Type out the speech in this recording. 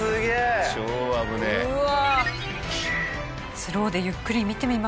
スローでゆっくり見てみましょう。